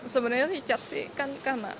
sebenarnya richard sih kan